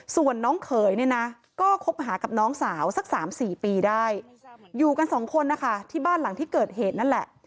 ส่วนน้องเขยเนี่ยนะก็คบหากับน้องสาวสัก๓๔ปีได้อยู่กันสองคนนะคะที่บ้านหลังที่เกิดเหตุนั่นแหละ